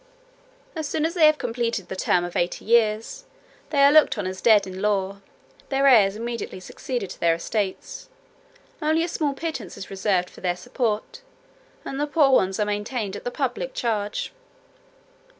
"As soon as they have completed the term of eighty years, they are looked on as dead in law; their heirs immediately succeed to their estates; only a small pittance is reserved for their support; and the poor ones are maintained at the public charge.